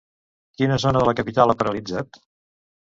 Quina zona de la capital ha paralitzat?